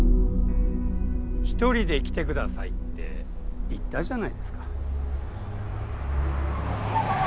１人で来てくださいって言ったじゃないですか。